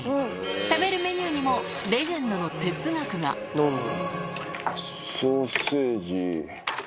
食べるメニューにも、レジェンドソーセージ。